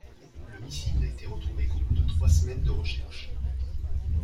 Le missile n'a été retrouvé qu'au bout de trois semaines de recherches.